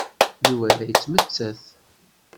Yuba la yettmettat.